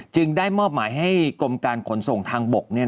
ได้มอบหมายให้กรมการขนส่งทางบก